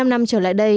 năm năm trở lại đây